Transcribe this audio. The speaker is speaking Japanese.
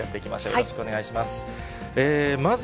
よろしくお願いします。